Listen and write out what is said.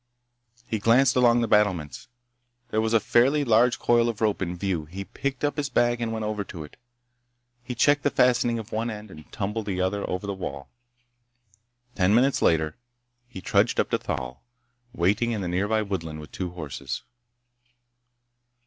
He glanced along the battlements. There was a fairly large coil of rope in view. He picked up his bag and went over to it. He checked the fastening of one end and tumbled the other over the wall. Ten minutes later he trudged up to Thal, waiting in the nearby woodland with two horses.